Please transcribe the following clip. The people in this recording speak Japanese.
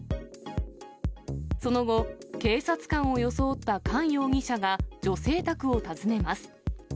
その後、警察官を装った韓容疑者が女性宅を訪ねます。